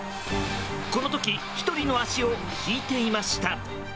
この時、１人の足をひいていました。